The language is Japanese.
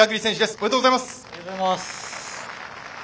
ありがとうございます。